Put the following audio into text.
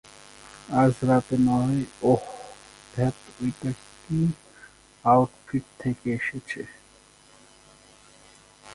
আজ রাতে নয় ওহ, ধ্যাত ঐটা কি আউটফিট থেকে এসেছে?